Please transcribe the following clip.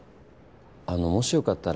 あのもし良かったら。